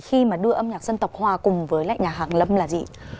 khi mà đưa âm nhạc dân tộc hòa cùng với lại nhà hàng lâm là gì